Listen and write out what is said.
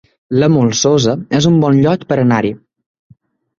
La Molsosa es un bon lloc per anar-hi